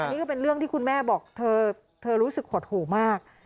นี่ก็เป็นเรื่องที่คุณแม่บอกเธอรู้สึกหดหู่มาก